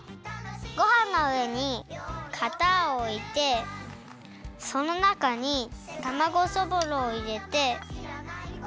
ごはんのうえにかたをおいてそのなかにたまごそぼろをいれて。